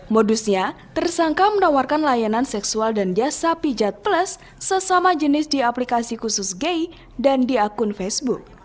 modusnya tersangka menawarkan layanan seksual dan jasa pijat plus sesama jenis di aplikasi khusus gay dan di akun facebook